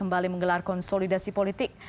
kembali menggelar konsolidasi politik